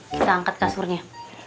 kita angkat kasurnya